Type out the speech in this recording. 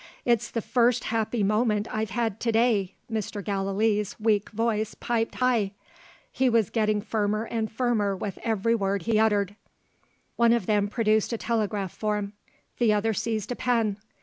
"It's the first happy moment I've had to day!" Mr. Gallilee's weak voice piped high: he was getting firmer and firmer with every word he uttered. One of them produced a telegraph form; the other seized a pen.